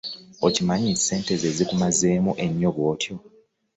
Okimanyi nti ssente zezikumazeemu ennyo bwotwo.